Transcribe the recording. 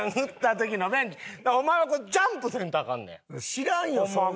知らんよ！